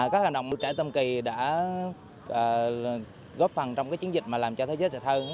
các hành động của tù trẻ tam kỳ đã góp phần trong chiến dịch làm cho thế giới sạch hơn